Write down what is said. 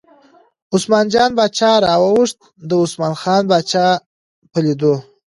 عثمان جان باچا راواوښت، د عثمان جان باچا په لیدو.